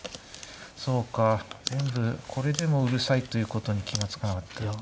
そうか全部これでもうるさいということに気が付かなかった。